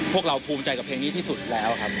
พวกเราภูมิใจกับเพลงนี้ที่สุดแล้วครับ